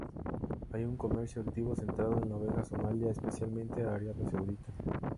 Hay un comercio activo centrado en la oveja somalí, especialmente a Arabia Saudita.